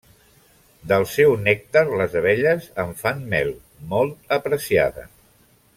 Del seu nèctar les abelles en fan mel, molt apreciada.